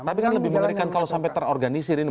tapi kan lebih mengerikan kalau sampai terorganisir ini